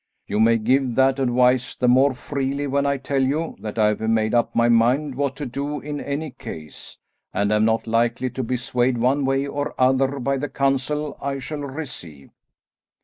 You may give that advice the more freely when I tell you that I have made up my mind what to do in any case, and am not likely to be swayed one way or other by the counsel I shall receive."